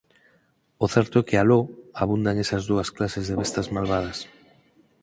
O certo é que aló abundan esas dúas clases de bestas malvadas.